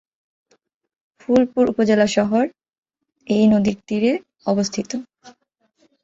ফুলপুর উপজেলা শহর এই নদীর তীরে অবস্থিত।